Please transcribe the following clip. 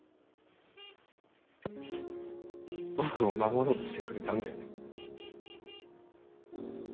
僕を守ろうとしてくれたんだよね。